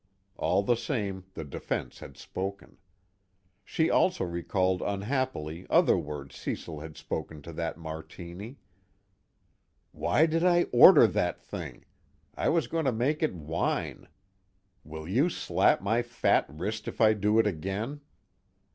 All the same, the defense had spoken. She also recalled unhappily other words Cecil had spoken to that Martini: "Why did I order that thing? I was going to make it wine. Will you slap my fat wrist if I do it again?"